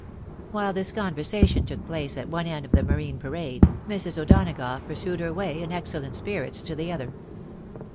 While this conversation took place at one end of the Marine parade, Mrs. O'Donagough pursued her way in excellent spirits to the other.